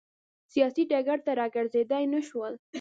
سیاسي ډګر ته راګرځېدای نه شول.